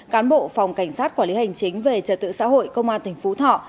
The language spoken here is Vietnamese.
cán bộ phòng cảnh sát quản lý hành chính về trật tự xã hội công an tỉnh phú thọ